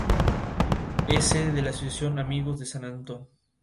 No obstante, la equivalencia dimensional de ambas magnitudes no es una coincidencia.